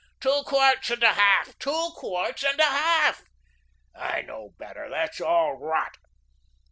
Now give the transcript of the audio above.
"Two quarts 'n' a half. Two quarts 'n' a half." "I know better. That's all rot."